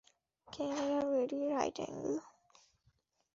Camera ready, right angle.